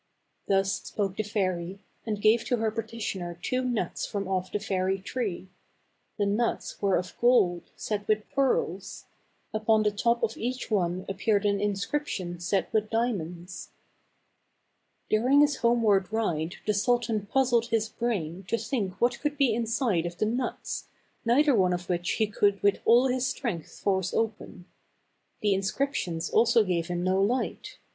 Thus spoke the fairy, and gave to her petitioner two nuts from off the fairy tree. The nuts were 214 THE CAB AVAN. of gold, set with pearls. Upon the top of each one appeared an inscription set with diamonds. During his homeward ride the sultan puzzled his brain to think what could be inside of the nuts, neither one of which could he with all his strength force open. The inscriptions also gave him no light.